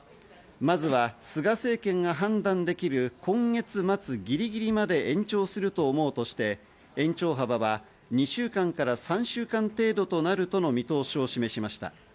まずは菅政権が判断できる今月末ギリギリまで延長すると思うとして、延長幅は２週間から３週間程度となるとの見通しを示しました。